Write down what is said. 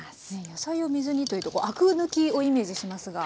野菜を水にというとアク抜きをイメージしますが。